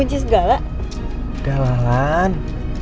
jangan sih wrong